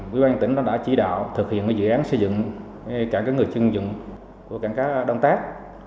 quỹ ban tỉnh đã chỉ đạo thực hiện dự án xây dựng cả người chưng dựng của cảng cá đông tác